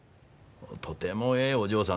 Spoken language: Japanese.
とてもええお嬢さん。